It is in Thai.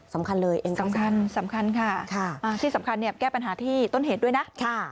สำคัญเลยเองสำคัญสำคัญค่ะที่สำคัญเนี่ยแก้ปัญหาที่ต้นเหตุด้วยนะ